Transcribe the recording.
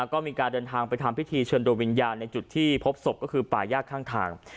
ก็มีการเดินทางไปทำพิธีเชิญโดยวิญญาณในจุดที่พบศพก็คือป่ายากข้างทาง